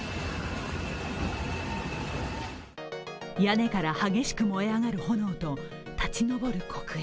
屋根から激しく燃え上がる炎と立ち上る黒煙。